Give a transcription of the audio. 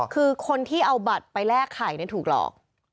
คือคนที่เอาบัตรไปแลกไข่ถูกหลอก